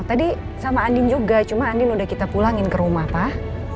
tadi sama andin juga cuma andin udah kita pulangin ke rumah pak